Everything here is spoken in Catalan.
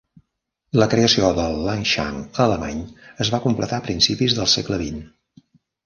La creació del Langshan alemany es va completar a principis del segle XX.